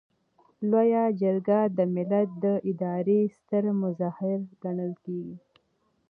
لویه جرګه د ملت د ادارې ستر مظهر ګڼل کیږي.